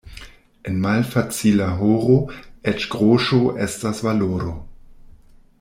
En malfacila horo eĉ groŝo estas valoro.